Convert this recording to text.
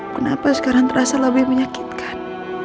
kenapa sekarang terasa lebih menyakitkan